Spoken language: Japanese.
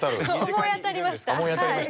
思い当たりましたはい。